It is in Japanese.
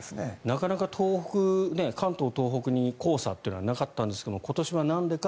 なかなか関東、東北に黄砂というのはなかったんですが今年はなんでか。